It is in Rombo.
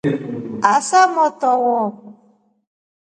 Asa motro wo.